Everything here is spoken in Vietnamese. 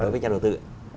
với nhà đầu tư